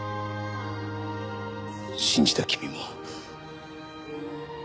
信じた君も。